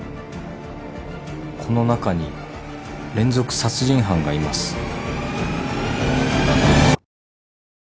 この中に連続殺人犯がいます。